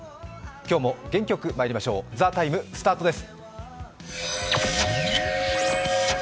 今日も元気よくまいりましょう、「ＴＨＥＴＩＭＥ，」スタートです。